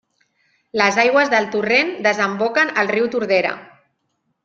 Les aigües del torrent desemboquen al riu Tordera.